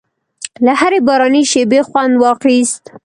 له هرې باراني شېبې خوند واخیست.